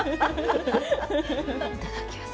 いただきます。